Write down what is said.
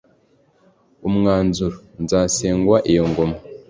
umwuzuro nzasengwa iyo ngoma